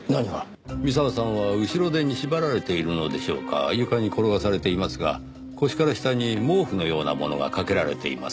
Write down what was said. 三沢さんは後ろ手に縛られているのでしょうか床に転がされていますが腰から下に毛布のようなものがかけられています。